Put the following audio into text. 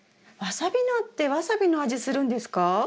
ワサビナってワサビの味するんですか？